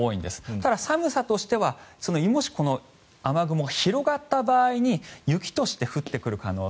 ただ、寒さとしてはもし雨雲が広がった場合に雪として降ってくる可能性。